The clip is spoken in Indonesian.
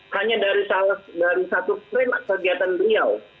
hanya dari satu frame kegiatan beliau